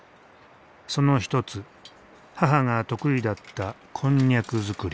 その一つ母が得意だったこんにゃく作り。